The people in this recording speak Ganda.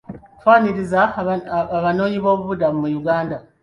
Twaniriza Abanoonyiboobubudamu mu Uganda.